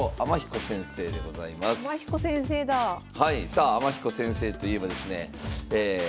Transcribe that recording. さあ天彦先生といえばですね